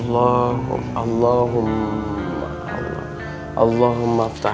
jangan pierwszy yuan ketika baru saya phenomenon